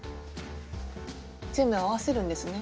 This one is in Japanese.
全部合わせるんですね。